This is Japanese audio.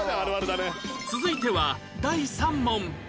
続いては第３問